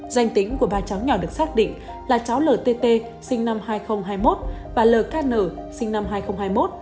danh tính của ba cháu nhỏ được xác định là cháu ltt sinh năm hai nghìn hai mươi một và lk sinh năm hai nghìn hai mươi một